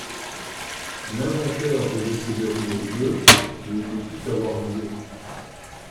L'inventaire devait se dérouler le mais il ne put avoir lieu.